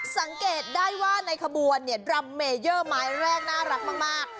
สังเกตได้ว่าในขบวนเนี่ยดรัมเมเยอร์ไม้แรกน่ารักมาก